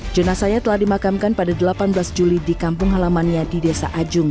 jenasanya telah dimakamkan pada delapan belas juli di kampung halamannya di desa ajung